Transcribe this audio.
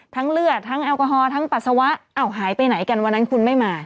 เลือดทั้งแอลกอฮอลทั้งปัสสาวะอ้าวหายไปไหนกันวันนั้นคุณไม่มา